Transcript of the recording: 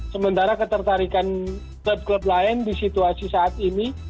sementara ketertarikan klub klub lain di situasi saat ini